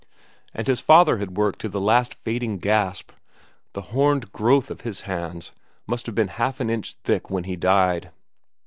And his father had worked to the last fading gasp; the horned growth on his hands must have been half an inch thick when he died.